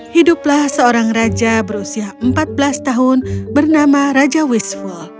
hiduplah seorang raja berusia empat belas tahun bernama raja wishful